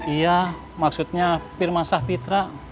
iya maksudnya pirmansah pitra